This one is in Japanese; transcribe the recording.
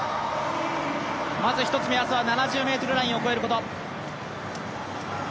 まず１つ目は７０ｍラインを越えること。